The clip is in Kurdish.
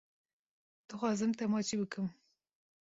Dixwazim te maçî bikim.